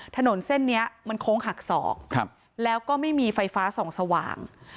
ถนนเส้นนี้มันโค้งหักศอกแล้วก็ไม่มีไฟฟ้าส่องสว่าง